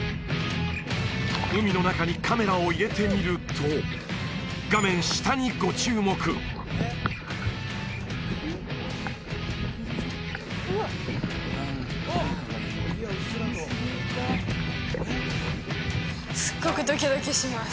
海の中にカメラを入れてみると画面下にご注目すっごくドキドキします